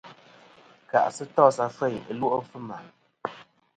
Kà'sɨ tos afeyn ɨlwe' fɨma.